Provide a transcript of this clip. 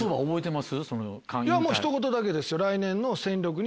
もうひと言だけですよ。